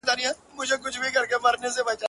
زما یادیږي چي سپین ږیرو به ویله؛